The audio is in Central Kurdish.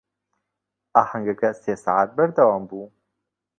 ئاهەنگەکە سێ سەعات بەردەوام بوو.